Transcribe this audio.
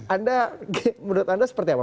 anda menurut anda seperti apa